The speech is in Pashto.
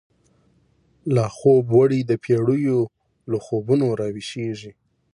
لا خوب وړی دپیړیو، له خوبونو را وښیږیږی